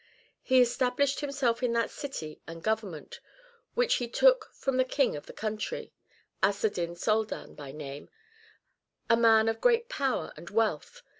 He established himself in that city and government, which he took from the King of the country, Asedin Soldan by name, a man of great power and wealth.